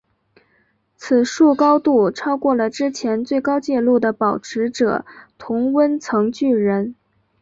此树高度超过了之前最高纪录的保持者同温层巨人。